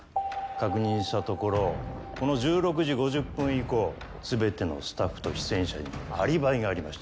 確認したところこの１６時５０分以降全てのスタッフと出演者にアリバイがありました。